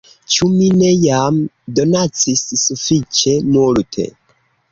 Ĉu mi ne jam donacis sufiĉe multe!"